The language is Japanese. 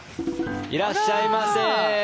いらっしゃいませ。